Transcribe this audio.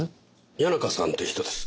谷中さんって人です。